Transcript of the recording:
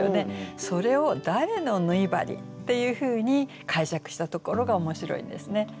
それを「誰の縫い針」っていうふうに解釈したところが面白いんですね。